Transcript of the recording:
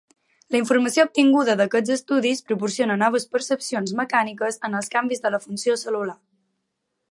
La informació obtinguda d'aquests estudis proporciona noves percepcions mecàniques en els canvis de la funció cel·lular.